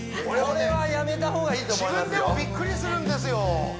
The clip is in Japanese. これはやめたほうがいいと自分でもビックリするんですよ